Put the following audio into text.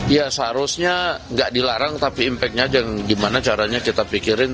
ya seharusnya nggak dilarang tapi impactnya gimana caranya kita pikirin